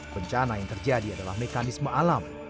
bencana yang terjadi adalah mekanisme alam